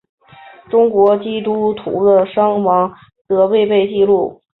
中国基督徒的伤亡则未被记录。